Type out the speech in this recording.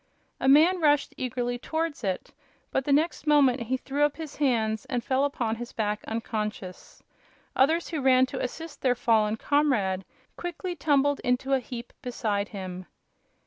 A man rushed eagerly towards it, but the next moment he threw up his hands and fell upon his back, unconscious. Others who ran to assist their fallen comrade quickly tumbled into a heap beside him.